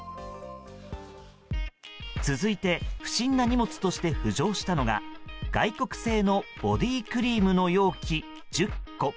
続いて、不審な荷物として浮上したのが外国製のボディクリームの容器１０個。